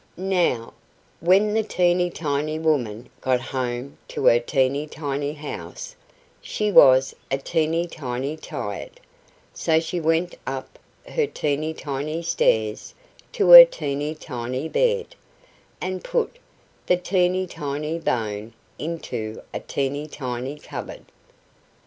Now, when the teeny tiny woman got home to her teeny tiny house, she was a teeny tiny tired; so she went up her teeny tiny stairs to her teeny tiny bed, and put the teeny tiny bone into a teeny tiny cupboard.